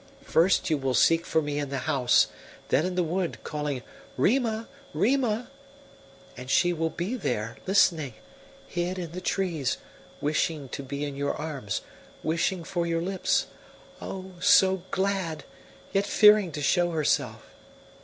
First you will seek for me in the house, then in the wood, calling: 'Rima! Rima!' And she will be there, listening, hid in the trees, wishing to be in your arms, wishing for your lips oh, so glad, yet fearing to show herself.